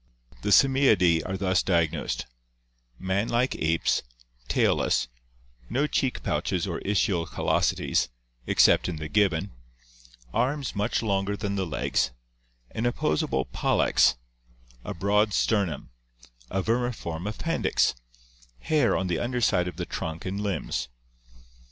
The Simiidae are thus diagnosed: Man like apes, tailless; no cheek pouches or ischial callosities, except in the gibbon; arms much longer than the legs, an opposable pollex, a broad sternum, a vermiform appendix, hair on tie under side of the trunk and limbs.